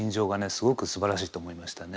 すごくすばらしいと思いましたね。